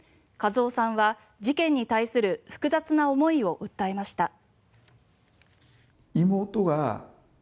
一雄さんは、事件に対する複雑な思いを訴えました。